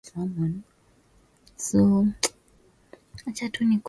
Mwa Ujerumani ya leo tangu zamani za Roma ya kale